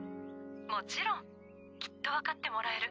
もちろん。きっと分かってもらえる。